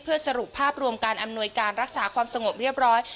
สรุปภาพรวมการอำนวยการรักษาความสงบเรียบร้อย